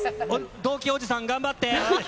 同期おじさん、頑張って。